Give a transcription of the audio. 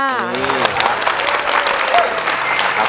นี่ค่ะ